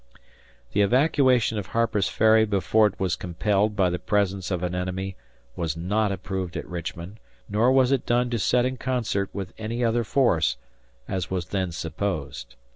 The evacuation of Harper's Ferry before it was compelled by the presence of an enemy was not approved at Richmond, nor was it done to act in concert with any other force, as was then supposed.